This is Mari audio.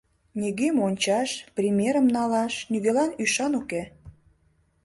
Нигӧм ончаш, примерым налаш, нигӧлан ӱшан уке.